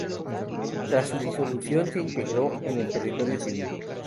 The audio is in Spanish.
Tras su disolución se integró en el territorio civil.